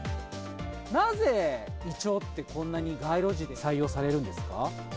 なぜイチョウってこんなに街路樹に採用されるんですか？